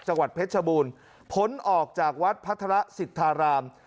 จังหวัดเพชรชบูรณ์พ้นออกจากวัดพัฒระสิทธาราม